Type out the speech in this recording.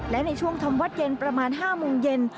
และในช่วงธรรมวัดเย็นประมาณ๕มุมเย็น